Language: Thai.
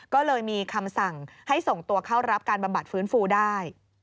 ก็เลยมีคำสั่งให้ส่งตัวเข้ารับการบำบัดฟื้นฟูได้